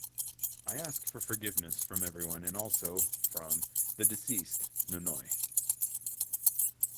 I ask for forgiveness from everyone and also (from) the deceased (Nonoi).